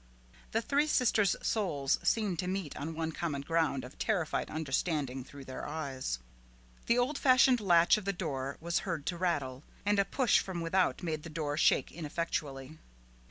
The three sisters' souls seemed to meet on one common ground of terrified understanding through their eyes. The old fashioned latch of the door was heard to rattle, and a push from without made the door shake ineffectually.